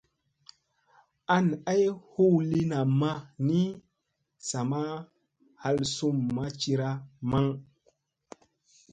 An ay huu lii namma ni sa ma hal sum ma cira maŋ.